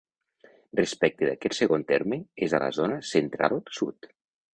Respecte d'aquest segon terme, és a la zona central-sud.